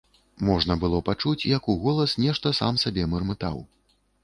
Можна было пачуць, як уголас нешта сам сабе мармытаў.